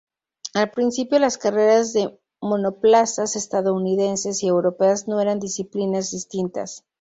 Al principio, las carreras de monoplazas estadounidenses y europeas no eran disciplinas distintas.